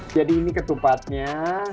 jadi ini ketupatnya